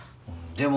でも。